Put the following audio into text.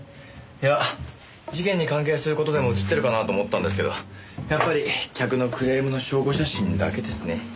いや事件に関係する事でも写ってるかなと思ったんですけどやっぱり客のクレームの証拠写真だけですね。